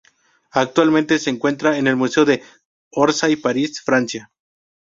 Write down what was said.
Actualmente, se encuentra en el Museo de Orsay, París, Francia.